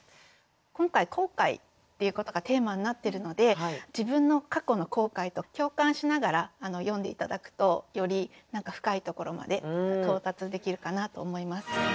今回「後悔」っていうことがテーマになってるので自分の過去の後悔と共感しながら読んで頂くとより深いところまで到達できるかなと思います。